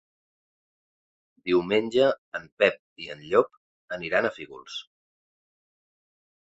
Diumenge en Pep i en Llop aniran a Fígols.